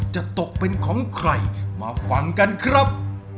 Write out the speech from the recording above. จะตกเป็นของใครมาฟังกันครับ